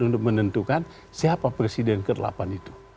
untuk menentukan siapa presiden ke delapan itu